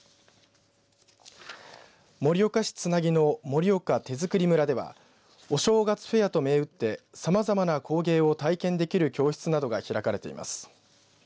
盛岡市繋の盛岡手づくり村ではお正月フェアと銘打ってさまざまな工芸を体験できる教室などが開かれています。